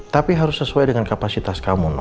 tapi harus sesuai dengan kapasitas kamu